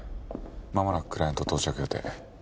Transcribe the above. まもなくクライアント到着予定。